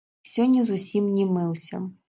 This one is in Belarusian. Сёння зусім не мыўся.